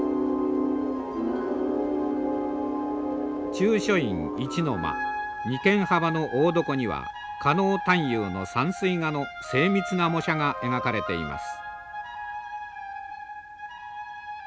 中書院一の間二間幅の大床には狩野探幽の山水画の精密な模写が描かれています。